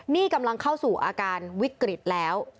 นี่กำลังเข้าสู่อาการวิกฤตแล้ว